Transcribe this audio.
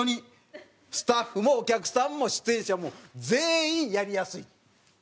スタッフもお客さんも出演者も全員やりやすい。